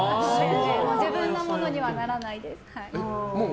自分のものにはならないです。